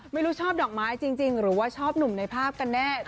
ไม่รู้ชอบดอกไม้จริงหรือว่าชอบหนุ่มในภาพกันแน่